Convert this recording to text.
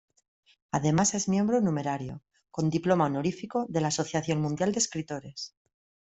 Además es miembro numerario, con diploma honorífico, de la Asociación Mundial de Escritores.